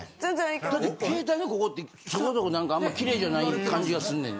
だって携帯のここってそこそこ何かあんまきれいじゃない感じがすんねん。